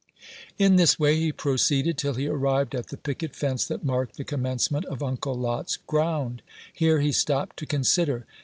In this way he proceeded till he arrived at the picket fence that marked the commencement of Uncle Lot's ground. Here he stopped to consider.